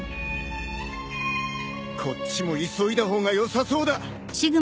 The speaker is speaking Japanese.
こっちも急いだ方がよさそうだ。